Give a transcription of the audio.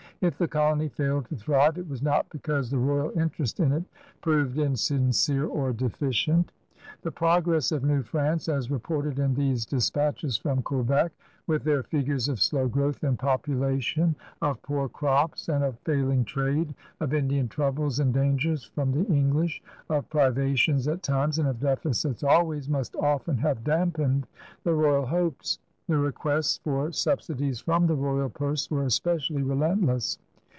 If the colony failed to thrive, it was not because the royal interest in it proved insincere or deficient. The progress of New Prance, as reported in these dispatches from Quebec, with their figures of slow growth in population, of poor crops, and of failing trade, of Indian troubles and dangers from the English, of privations at times and of deficits always, must often have dampened the royal hopes. The requests for subsidies from the royal purse were especially relentless.